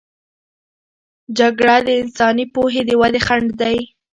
جګړه د انساني پوهې د ودې خنډ دی.